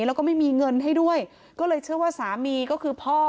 แล้วก็ไม่มีเงินให้ด้วยก็เลยเชื่อว่าสามีก็คือพ่อ